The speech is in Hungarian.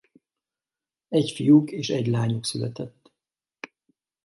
Egy fiuk és egy lányuk született.